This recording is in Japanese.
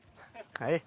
はい？